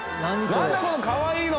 なんだこのかわいいの！